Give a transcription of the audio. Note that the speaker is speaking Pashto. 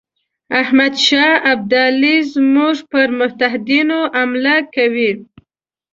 احمدشاه ابدالي زموږ پر متحدینو حمله کوي.